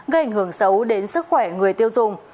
gây ảnh hưởng xấu đến sức khỏe người tiêu dùng